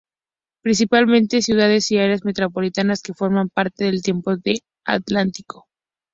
Principales ciudades y áreas metropolitanas que forman parte del Tiempo del Atlántico.